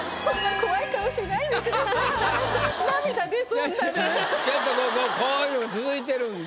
そんなちょっとこういうのが続いてるんで。